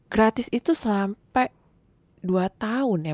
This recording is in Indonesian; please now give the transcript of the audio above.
gratis itu sampai dua tahun ya